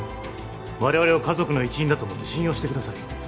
我々を家族の一員だと思って信用してください